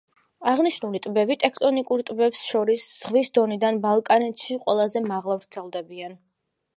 აღნიშნული ტბები ტექტონიკურ ტბებს შორის ზღვის დონიდან ბალკანეთში ყველაზე მაღლა ვრცელდებიან.